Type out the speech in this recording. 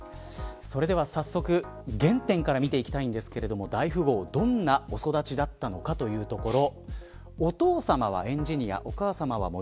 それでは早速、原点から見ていきたいんですけれども大富豪、どんなお育ちだったのかというところ。